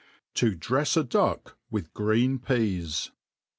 To drefs a Duck with Green Peas.